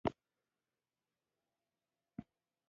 زه به څرنګه د دوی په دام کي لوېږم